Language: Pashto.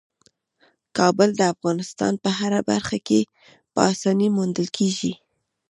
کابل د افغانستان په هره برخه کې په اسانۍ موندل کېږي.